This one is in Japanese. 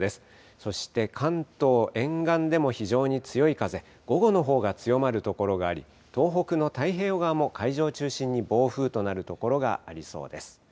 そして関東沿岸でも非常に強い風、午後のほうが強まる所があり東北の太平洋側も海上を中心に暴風となる所がありそうです。